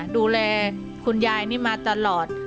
ดูแลคุณยายนี่มาตลอด